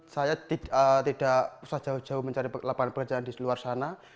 saya tidak usah jauh jauh mencari lapangan pekerjaan di luar sana